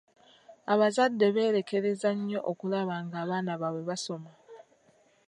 Abazadde beerekereza nnyo okulaba ng'abaana baabwe basoma.